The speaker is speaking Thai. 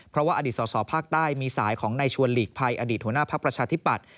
เพราะว่าอดีตสอภาคใต้มีสายของในชวนหลีกภัยอดีตหัวหน้าภักดิ์ประชาธิปัตย